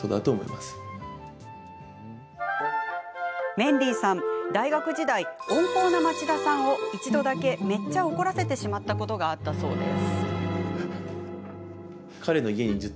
メンディーさん、大学時代温厚な町田さんを一度だけめっちゃ怒らせてしまったことがあったそうです。